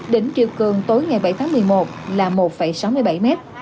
đỉnh triều cường tối ngày bảy tháng một mươi một là một sáu mươi bảy m